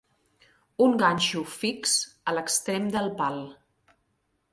Un ganxo fix a l'extrem del pal.